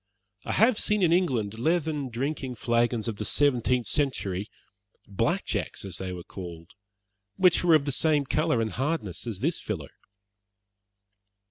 "I have seen in England leathern drinking flagons of the seventeenth century 'black jacks' as they were called which were of the same colour and hardness as this filler."